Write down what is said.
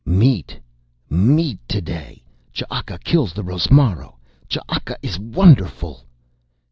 "Meat! Meat today!" "Ch'aka kills the rosmaro! Ch'aka is wonderful!"